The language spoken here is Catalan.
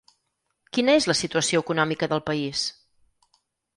Quina és la situació econòmica del país?